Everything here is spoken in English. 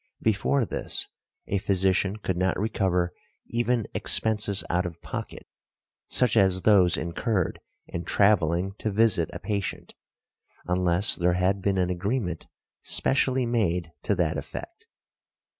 Before this a physician could not recover even expenses out of pocket, such as those incurred in travelling to visit a patient, unless there had been an agreement specially made to that effect .